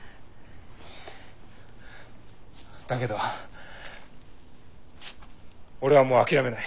だけど俺はもう諦めない。